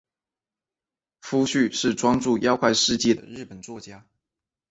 夫婿是专注妖怪事迹的日本作家。